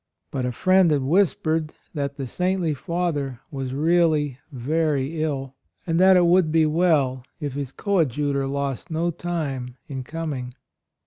But a AND MOTHER. 119 friend had whispered that the saintly Father was really very ill, and that it would be well if his coadjutor lost no time in corning".